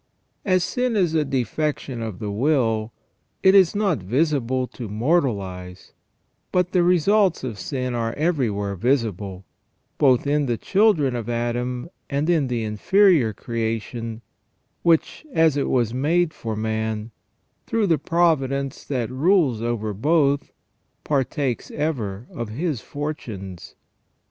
As sin is a defection of the will, it is not visible to mortal eyes ; but the results of sin are everywhere visible, both in the children of Adam and in the inferior creation, which, as it was made for man, through the providence that rules over both, partakes ever of his fortunes.